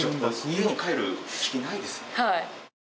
はい。